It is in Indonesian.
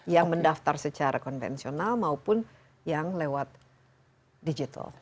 yang mendaftar secara konvensional maupun yang lewat digital